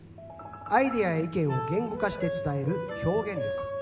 アイデアや意見を言語化して伝える表現力。